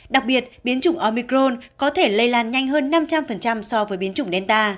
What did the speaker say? đặc biệt biến chủng omicron có thể lây lan nhanh hơn năm trăm linh so với biến chủng delta